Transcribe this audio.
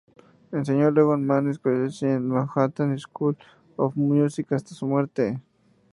Enseñó luego en Mannes College y en Manhattan School of Music hasta su muerte.